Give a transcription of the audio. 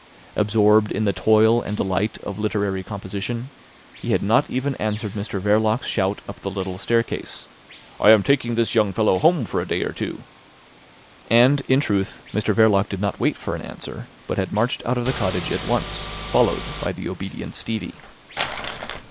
Absorbed in the toil and delight of literary composition, he had not even answered Mr Verloc's shout up the little staircase. "I am taking this young fellow home for a day or two." And, in truth, Mr Verloc did not wait for an answer, but had marched out of the cottage at once, followed by the obedient Stevie.